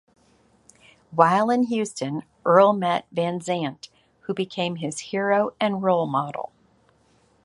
While in Houston Earle met Van Zandt, who became his hero and role model.